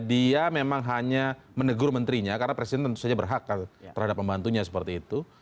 dia memang hanya menegur menterinya karena presiden tentu saja berhak terhadap pembantunya seperti itu